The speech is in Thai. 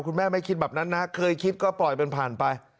แม่ไม่คิดแบบนั้นนะเคยคิดก็ปล่อยเป็นผ่านไป